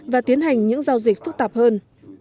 và tiến hành những giao dịch phức tạp hơn